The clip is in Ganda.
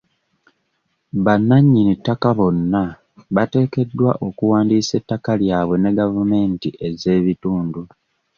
Bannanyini ttaka bonna bateekeddwa okuwandiisa ettaka lyabwe ne gavumenti ez'ebitundu.